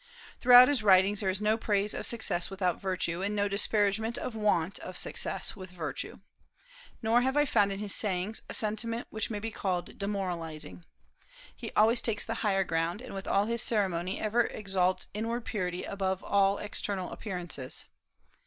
Throughout his writings there is no praise of success without virtue, and no disparagement of want of success with virtue. Nor have I found in his sayings a sentiment which may be called demoralizing. He always takes the higher ground, and with all his ceremony ever exalts inward purity above all external appearances.